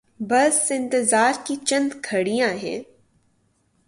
بس انتظار کی چند گھڑیاں ہیں۔